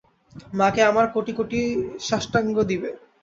মাকে আমার কোটি কোটি সাষ্টাঙ্গ দিবে।